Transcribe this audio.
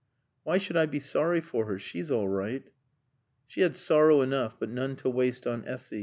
"Why should I be sorry for her? She's all right." She had sorrow enough, but none to waste on Essy.